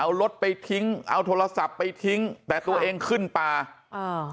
เอารถไปทิ้งเอาโทรศัพท์ไปทิ้งแต่ตัวเองขึ้นป่าอ่า